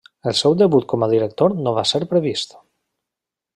El seu debut com a director no va ser previst.